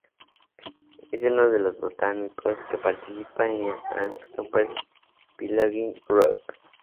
Es uno de los botánicos que participa en el Angiosperm Phylogeny Group.